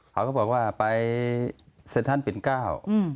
เขาก็บอกว่าไปเซ็นทรัลปิ่นเก้า